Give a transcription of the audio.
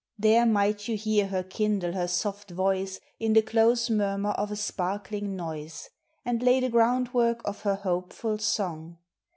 There might you hear her kindle her soft voice In the close murmur of a sparkling noise; And lay the groundwork of her hopeful song.